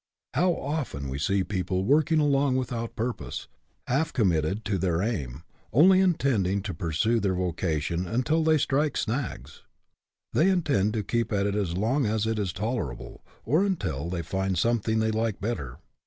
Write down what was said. How often we see people working along without purpose, half committed to their aim, only intending to pursue their vocation until they strike snags! They intend to keep at it as long as it is tolerable, or until they find something they like better.